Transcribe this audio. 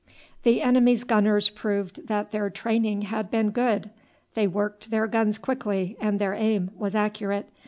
The enemy's gunners proved that their training had been good. They worked their guns quickly and their aim was accurate.